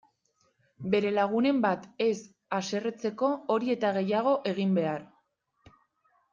Bere lagunen bat ez haserretzeko hori eta gehiago egin behar!